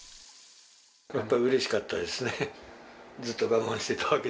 ちょっとうれしかったですね。